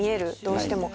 どうしても。